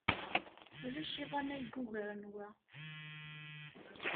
Ulac iḍan ay yugaren wa.